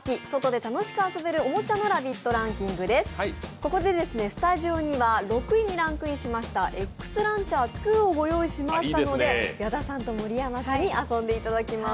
ここでスタジオには６位にランクインしましたＸランチャー２をご用意しましたので、矢田さんと盛山さんに遊んでいただきます。